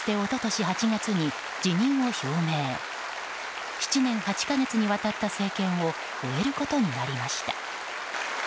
７年８カ月にわたった政権を終えることになりました。